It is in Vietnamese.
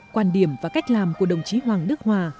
quan điểm và cách làm của đồng chí hoàng đức hòa